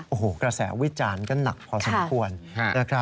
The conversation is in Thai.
โอ้โหกระแสวิจารณ์ก็หนักพอสมควร